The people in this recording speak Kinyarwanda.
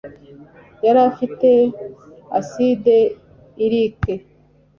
Yari afite aside irike